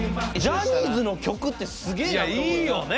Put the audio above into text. ジャニーズの曲ってすげえなと思うよな。